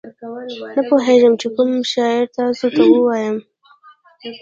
نه پوهېږم چې کوم شعر تاسو ته ووایم.